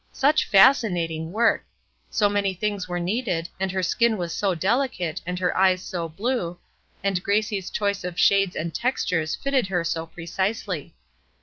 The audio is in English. Such fascinating work! So many things were needed, and her skin was so delicate, and her eyes so blue, and Gracie's choice of shades and textures fitted her so precisely.